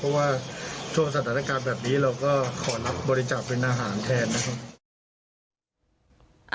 เพราะว่าช่วงสถานการณ์แบบนี้เราก็ขอรับบริจาคเป็นอาหารแทนนะครับ